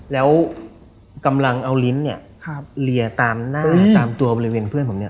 แล้วกำลังเอาลิ้นเนี่ยเลียตามหน้าตามตัวบริเวณเพื่อนผมเนี่ย